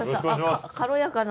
軽やかな。